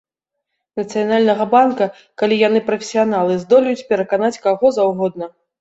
Нацыянальнага банка, калі яны прафесіяналы, здолеюць пераканаць каго заўгодна.